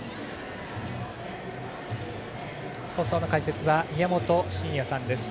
放送の解説は宮本慎也さんです。